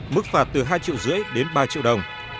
mức phạt từ hai triệu rưỡi đến ba triệu đồng